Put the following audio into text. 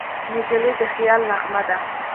نجلۍ د خیال نغمه ده.